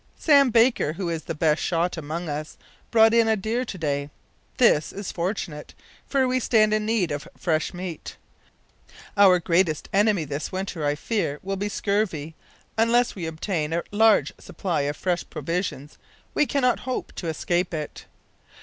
Sam Baker, who is the best shot among us, brought in a deer to day. This is fortunate, for we stand in need of fresh meat. Our greatest enemy this winter, I fear, will be scurvy. Unless we obtain a large supply of fresh provisions we cannot hope to escape it.